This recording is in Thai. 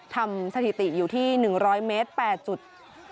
ทำสถิติอยู่ที่๑๐๐เมตร